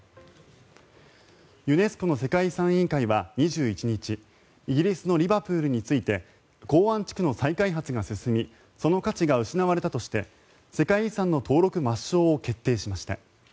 ユネスコの世界遺産委員会は２１日イギリスのリバプールについて港湾地区の再開発が進みその価値が失われたとして世界遺産の登録抹消を決定しました。